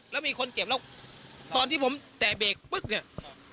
แล้วมีคนเจ็บตอนผมแต่เบรกเปลื้กเนี่ย